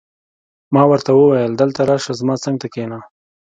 ما ورته وویل: دلته راشه، زما څنګ ته کښېنه.